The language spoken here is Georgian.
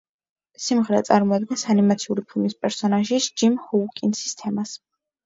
სიმღერა წარმოადგენს ანიმაციური ფილმის პერსონაჟის, ჯიმ ჰოუკინსის თემას.